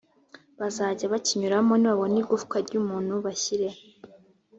bazajya bakinyuramo nibabona igufwa ry’umuntu bashyire